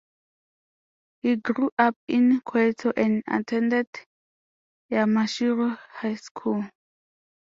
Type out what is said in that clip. He grew up in Kyoto and attended Yamashiro High School.